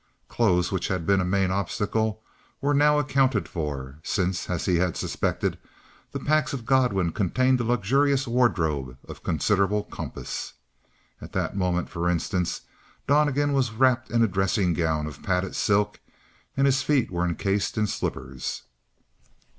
Clothes, which had been a main obstacle, were now accounted for, since, as he had suspected, the packs of Godwin contained a luxurious wardrobe of considerable compass. At that moment, for instance, Donnegan was wrapped in a dressing gown of padded silk and his feet were encased in slippers.